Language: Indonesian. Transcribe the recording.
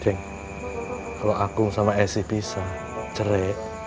ceng kalo akung sama esi pisah cerai